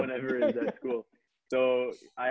ga ada orang di sekolah